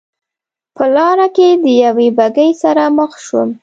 په لار کې له یوې بګۍ سره مخ شوم.